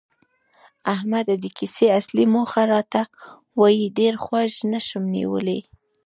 احمده! د کیسې اصلي موخه راته وایه، ډېر غوږ نشم نیولی.